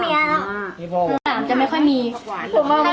นี่เห็นจริงตอนนี้ต้องซื้อ๖วัน